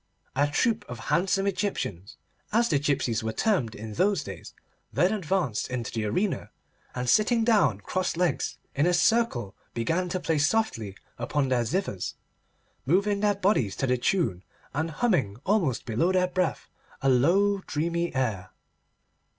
A troop of handsome Egyptians—as the gipsies were termed in those days—then advanced into the arena, and sitting down cross legs, in a circle, began to play softly upon their zithers, moving their bodies to the tune, and humming, almost below their breath, a low dreamy air.